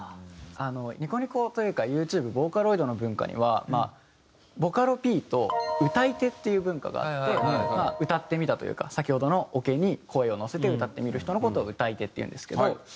ニコニコというかＹｏｕＴｕｂｅボーカロイドの文化にはまあボカロＰと歌い手っていう文化があってまあ「歌ってみた」というか先ほどのオケに声を乗せて歌ってみる人の事を歌い手っていうんですけど。